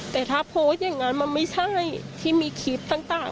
แต่ถ้าโพสต์อย่างนั้นมันไม่ใช่ที่มีคลิปต่าง